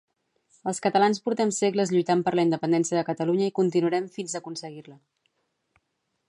Els catalans portem Segles lluitant per la independència de Catalunya i continuarem fins aconseguir-la